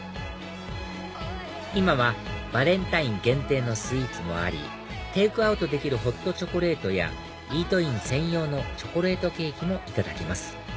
今はバレンタイン限定のスイーツもありテイクアウトできるホットチョコレートやイートイン専用のチョコレートケーキもいただけます